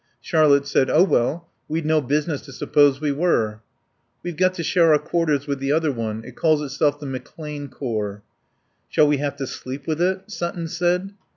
Charlotte said, "Oh, well, we'd no business to suppose we were." "We've got to share our quarters with the other one.... It calls itself the McClane Corps." "Shall we have to sleep with it?" Sutton said.